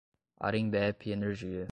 Arembepe Energia